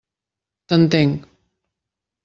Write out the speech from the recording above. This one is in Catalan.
T'entenc.